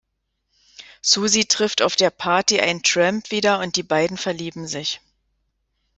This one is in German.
Susie trifft auf der Party einen Tramp wieder und die beiden verlieben sich.